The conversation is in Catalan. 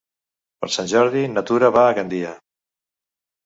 Per Sant Jordi na Tura va a Gandia.